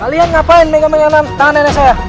kalian ngapain mereka menyanam tangan nenek saya